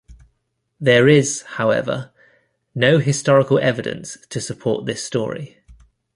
There is, however, no historical evidence to support this story.